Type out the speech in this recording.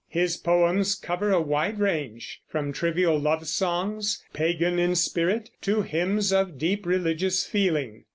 His poems cover a wide range, from trivial love songs, pagan in spirit, to hymns of deep religious feeling.